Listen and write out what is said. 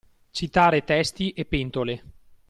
Citare testi e pentole.